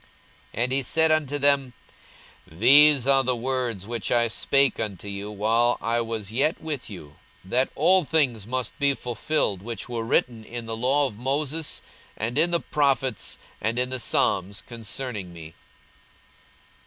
42:024:044 And he said unto them, These are the words which I spake unto you, while I was yet with you, that all things must be fulfilled, which were written in the law of Moses, and in the prophets, and in the psalms, concerning me.